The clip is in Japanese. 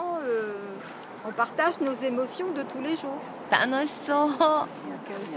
楽しそう。